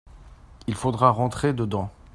il faudra rentrer dedans.